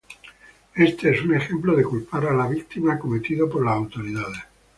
Este es un ejemplo de culpar a la víctima cometido por las autoridades.